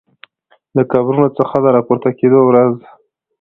له قبرونو څخه د راپورته کیدو ورځ